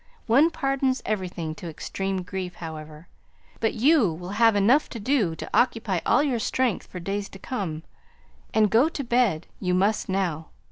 One pardons everything to extreme grief, however. But you will have enough to do to occupy all your strength for days to come; and go to bed you must now.